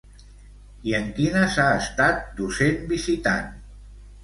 I en quines ha estat docent visitant?